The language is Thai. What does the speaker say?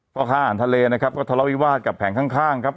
พ่อค้าอาหารทะเลนะครับก็ทะเลาวิวาสกับแผงข้างครับ